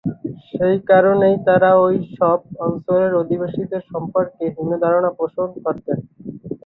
সেই কারণেই তারা ওই সব অঞ্চলের অধিবাসীদের সম্পর্কে হীন ধারণা পোষণ করতেন।